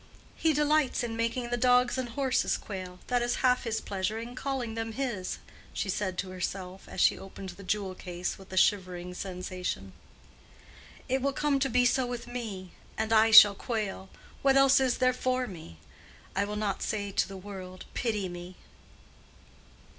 "He delights in making the dogs and horses quail: that is half his pleasure in calling them his," she said to herself, as she opened the jewel case with a shivering sensation. "It will come to be so with me; and I shall quail. What else is there for me? I will not say to the world, 'Pity me.